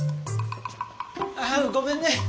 あっごめんね。